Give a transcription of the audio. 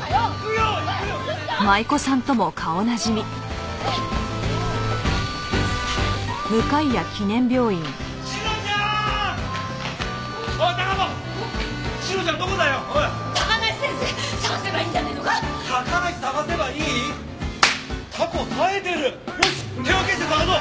よし手分けして捜そう！